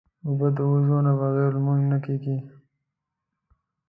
اوبه د وضو نه بغیر لمونځ نه کېږي.